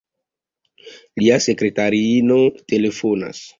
Lia sekratariino telefonas.